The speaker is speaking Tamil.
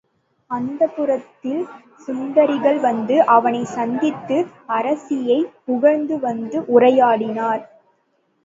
அந்தப்புரத்தில் சுந்தரிகள் வந்து அவனைச் சந்தித்து அரசியைப் புகழ்ந்து வந்து உரையாடினர்.